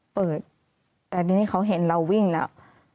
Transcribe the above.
เปิดแต่ทีนี้เขาเห็นเราวิ่งแล้ว